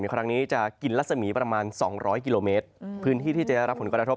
ครั้งนี้จะกินรัศมีประมาณ๒๐๐กิโลเมตรพื้นที่ที่จะได้รับผลกระทบ